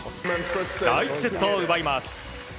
第１セットを奪います。